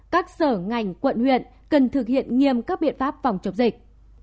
các sở ngành quận huyện cần thực hiện nghiêm các biện pháp phòng chống dịch